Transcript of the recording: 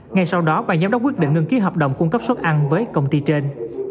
ngay sau đó bà giám đốc quyết định ngưng ký hợp đồng cung cấp suất ăn với công ty trên